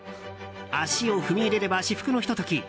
足を踏み入れれば至福のひと時